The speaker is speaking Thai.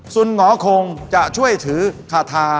คุณหมอคงจะช่วยถือคาทา